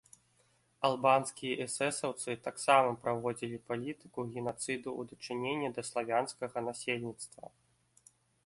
Албанскія эсэсаўцы таксама праводзілі палітыку генацыду ў дачыненні да славянскага насельніцтва.